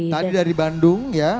tadi dari bandung ya